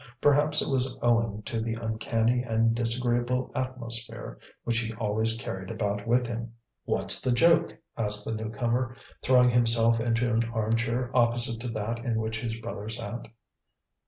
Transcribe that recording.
Perhaps it was owing to the uncanny and disagreeable atmosphere which he always carried about with him. "What's the joke?" asked the new comer, throwing himself into an arm chair opposite to that in which his brother sat.